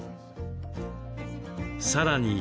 さらに。